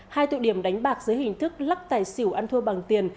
hai tụ điểm đánh bạc dưới hình thức lắc tài xỉu ăn thua bằng tiền